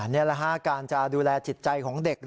นี่แหละฮะการจะดูแลจิตใจของเด็ก